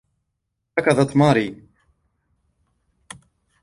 ركضت ماري.